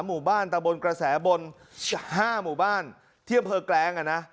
หมู่บ้านตะบนกระแสบน๕หมู่บ้านที่อำเภอแกลงอ่ะนะ